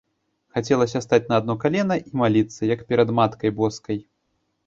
Хацелася стаць на адно калена і маліцца, як перад маткай боскай.